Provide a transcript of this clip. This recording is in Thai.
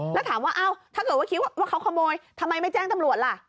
แล้วถามว่าอ้าวถ้าเกิดว่าคิดว่าเขาขโมยทำไมไม่แจ้งตำรวจล่ะ